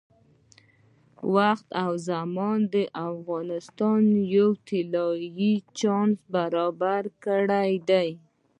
وخت او زمان افغانستان ته یو طلایي چانس برابر کړی دی.